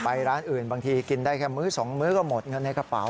ร้านอื่นบางทีกินได้แค่มื้อ๒มื้อก็หมดเงินในกระเป๋า